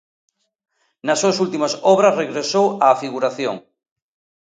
Nas súas últimas obras regresou á figuración.